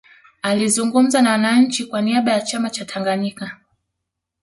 alizungumza na wananchi kwa niaba ya chama cha tanganyika